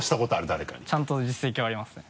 誰かに。ちゃんと実績はありますね。